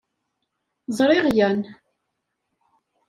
Ẓriɣ yan.